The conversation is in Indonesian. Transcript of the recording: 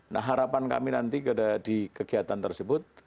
nah harapan kami nanti di kegiatan tersebut